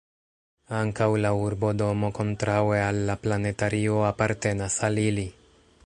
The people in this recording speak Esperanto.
Ankaŭ la urbodomo kontraŭe al la planetario apartenas al ili.